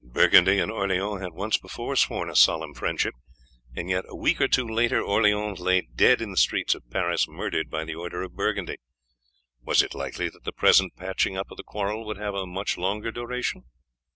Burgundy and Orleans had once before sworn a solemn friendship, and yet a week or two later Orleans lay dead in the streets of Paris, murdered by the order of Burgundy. Was it likely that the present patching up of the quarrel would have a much longer duration?